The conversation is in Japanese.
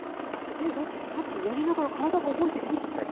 えっだってさっきやりながら体が覚えてくって。